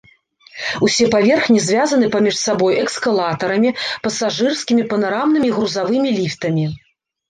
Усе паверхі звязаны паміж сабой эскалатарамі, пасажырскімі, панарамнымі і грузавымі ліфтамі.